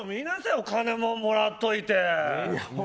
お金ももらっておいて。